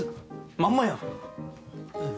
まんまやん。